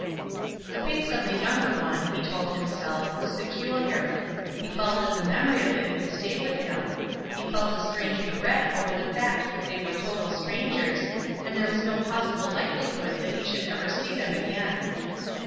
The face of the younger one, he told himself, was peculiar; he felt that the memory of it would stay with him ; he felt a strange regret over the fact that they were total strangers, and there was no possible likelihood that he should ever see them again.